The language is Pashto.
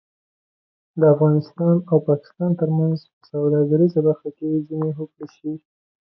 د افغانستان او پاکستان ترمنځ په سوداګریزه برخه کې ځینې هوکړې شوې